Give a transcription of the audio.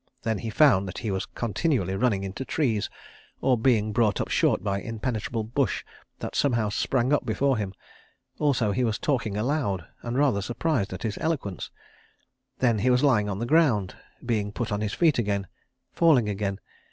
Then he found that he was continually running into trees or being brought up short by impenetrable bush that somehow sprang up before him. ... Also he was talking aloud, and rather surprised at his eloquence. ... Then he was lying on the ground—being put on his feet again—falling again